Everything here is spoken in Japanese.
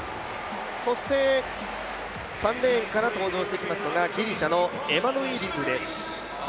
そして３レーンから登場してきますのがギリシャのエマヌイリドゥです。